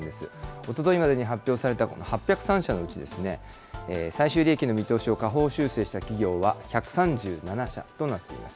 おとといまでに発表された８０３社のうち、最終利益の見通しを下方修正した企業は１３７社となっています。